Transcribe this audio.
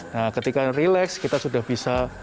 nah ketika relax kita sudah bisa